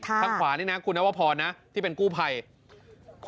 คตอนนี้ครั้งขวานี่นะครุนัวพรที่เป็นกู้ไพท์